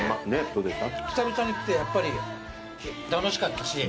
久々に来てやっぱり楽しかったし。